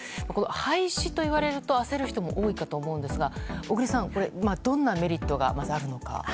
廃止と言われると焦る人も多いかと思うんですがこれ、どんなメリットがまずあるのか。